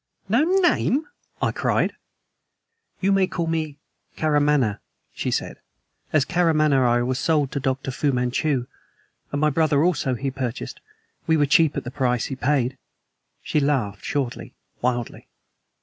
"No name!" I cried. "You may call me Karamaneh," she said. "As Karamaneh I was sold to Dr. Fu Manchu, and my brother also he purchased. We were cheap at the price he paid." She laughed shortly, wildly.